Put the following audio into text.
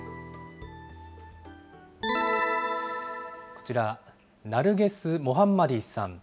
こちら、ナルゲス・モハンマディさん。